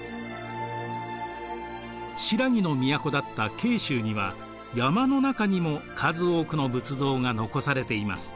新羅の都だった慶州には山の中にも数多くの仏像が残されています。